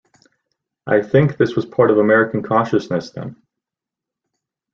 I think this was part of American consciousness then.